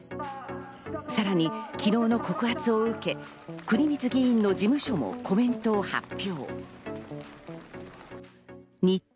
さらに昨日の告発を受け、国光議員の事務所もコメントを発表。